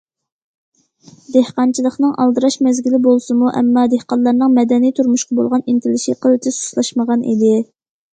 دېھقانچىلىقنىڭ ئالدىراش مەزگىلى بولسىمۇ ئەمما دېھقانلارنىڭ مەدەنىي تۇرمۇشقا بولغان ئىنتىلىشى قىلچە سۇسلاشمىغان ئىدى.